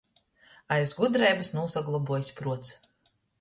Aiz gudreibys nūsaglobuojs pruots.